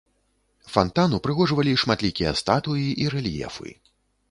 Фантан упрыгожвалі шматлікія статуі і рэльефы.